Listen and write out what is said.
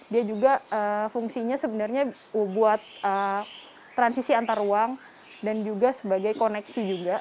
dia juga fungsinya sebenarnya buat transisi antar ruang dan juga sebagai koneksi juga